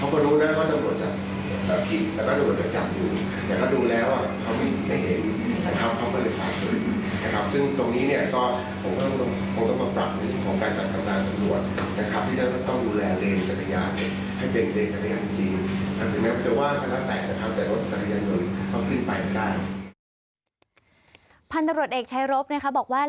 พันธุ์ตำรวจเอกชายรบนะคะบอกว่า